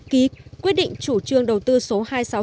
ký quyết định chủ trương đầu tư số hai nghìn sáu trăm chín mươi tám